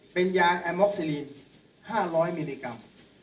เป็นยางแอม็อกซีรีน๕๐๐มิลลิกรัม